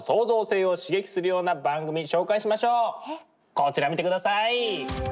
こちら見てください。